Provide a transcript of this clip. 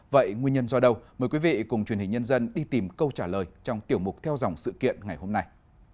vậy nguyên nhân do đâu mời quý vị cùng truyền hình nhân dân đi tìm câu trả lời trong tiểu mục theo dòng sự kiện ngày hôm nay